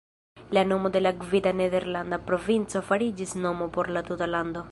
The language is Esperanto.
La nomo de la gvida nederlanda provinco fariĝis nomo por la tuta lando.